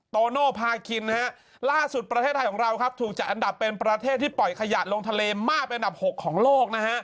โตโนภาคินล่าสุดประเทศไทยของเราครับถูกจัดอันดับเป็นประเทศที่ปล่อยขยะลงทะเลมากเป็นอันดับ๖ของโลกนะฮะ